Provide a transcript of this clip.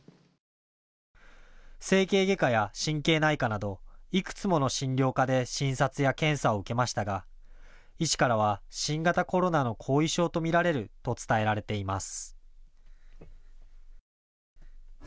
整形外科や神経内科などいくつもの診療科で診察や検査を受けましたが医師からは新型コロナの後遺症と見られると伝えられています。